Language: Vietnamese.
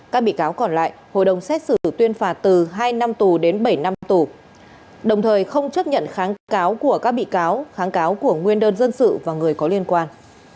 các bị cáo còn lại hội đồng xét xử tuyên phạt từ hai năm tù đến bảy năm tù đồng thời không chấp nhận kháng cáo của các bị cáo kháng cáo của nguyên đơn dân sự và người có liên quan